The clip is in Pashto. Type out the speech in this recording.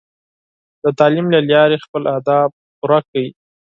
د تعلیم له لارې خپل اهداف پوره کړئ.